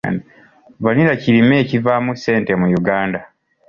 Vanilla kirime ekivaamu ssente mu Uganda.